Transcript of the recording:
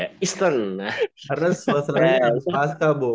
karena suasananya paskah boh